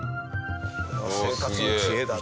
これは生活の知恵だね。